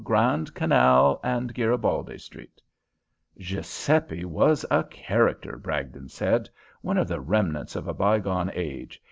Grand Canal and Garibaldi St. "Giuseppe was a character," Bragdon said. "One of the remnants of a by gone age.